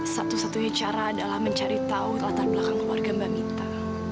satu satunya cara adalah mencari tahu latar belakang keluarga mbak mita